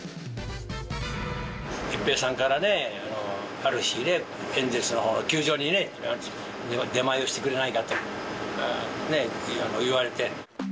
一平さんからね、ある日ね、エンゼルスの球場にね、出前をしてくれないかと言われて。